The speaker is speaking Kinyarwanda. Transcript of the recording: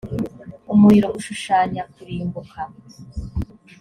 umuriro ushushanya kurimbuka.